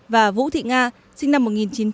và vũ thị nga sinh năm một nghìn chín trăm tám mươi